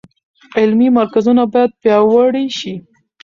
علمي مرکزونه باید پیاوړي شي.